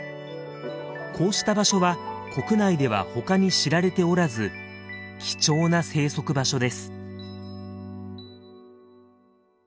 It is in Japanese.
こうした場所は国内では他に知られておらず貴重な生息場所です。